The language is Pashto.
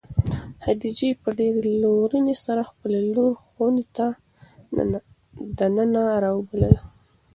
خدیجې په ډېرې لورېنې سره خپله لور خونې ته د ننه راوبلله.